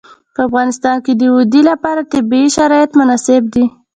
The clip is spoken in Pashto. په افغانستان کې د وادي لپاره طبیعي شرایط مناسب دي.